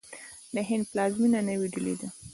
د هند پلازمینه نوی ډهلي ده.